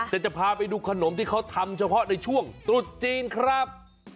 แต่จะพาไปดูขนมที่เขาทำเฉพาะในช่วงตรุษจีนครับ